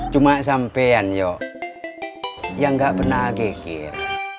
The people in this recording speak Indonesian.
cuma sampean yuk yang gak pernah gigir